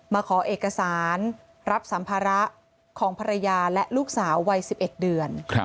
มาขอเอกสารรับสัมภาระของภรรยาและลูกสาววัย๑๑เดือน